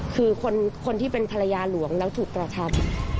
คือคนที่เป็นภรรยาหลวงแล้วถูกกระทำ